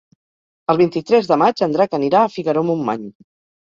El vint-i-tres de maig en Drac anirà a Figaró-Montmany.